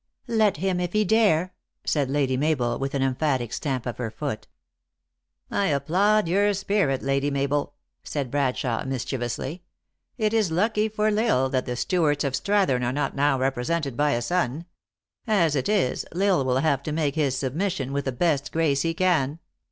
" Let him, if he dare," said Lady Mabel, with an emphatic stamp of her foot. " I applaud your spirit, Lady Mabel," said Brad shawe mischievously. " It is lucky tbi L Isle that the Stewarts of Strathern are not now represented by a son. As it is, L Isle will have to make his submission with the best grace he can."